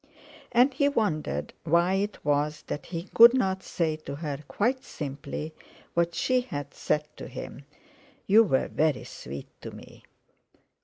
And he wondered why it was that he couldn't say to her quite simply what she had said to him: "You were very sweet to me."